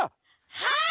はい！